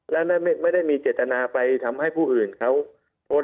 และไม่ได้มีเจตนาไปทำให้ผู้อื่นเขาโพสต์